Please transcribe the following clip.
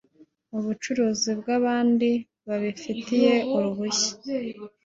bucuruzi bw abandi babifitiye uruhushya